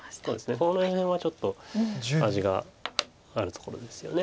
この辺はちょっと味があるところですよね。